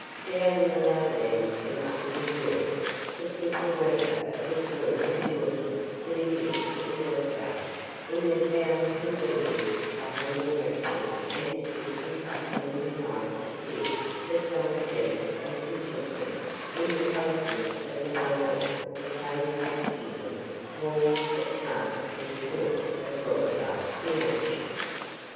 Down in the lowlands and up in the hills, the simple worker of the soil rejoices that he lives in Graustark; in the towns and villages the humble merchant and his thrifty customer unite to sing the song of peace and contentment; in the palaces of the noble the same patriotism warms its heart with thoughts of Graustark, the ancient.